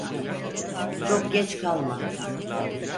Çok geç kalma.